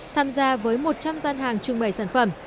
tham gia với một trăm linh gian hàng trưng bày sản phẩm